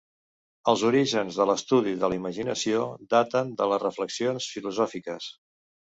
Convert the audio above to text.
Els orígens de l'estudi de la imaginació daten de les reflexions filosòfiques.